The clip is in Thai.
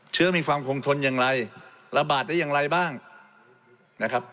เชื้อมีความคงทนอย่างไรระบาดได้อย่างไรบ้างนะครับ